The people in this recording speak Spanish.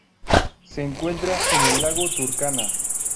Se encuentra en el lago Turkana.